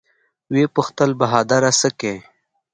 ويې پوښتل بهادره سه کې.